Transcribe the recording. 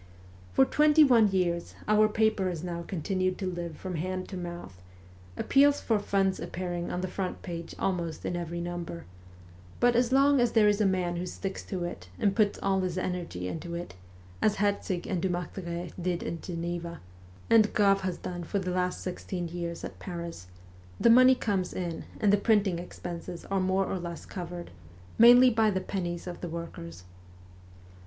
For twenty one years our paper has now continued to live from hand to mouth, appeals for funds appearing on the front page almost in every number ; but as long as there is a man who sticks to it and puts all his energy into it, as Herzig and Dumartheray did at Geneva, and Grave has done for the last sixteen years at Paris, the money comes in and the printing expenses are more or less covered, mainly by the pennies of the workers.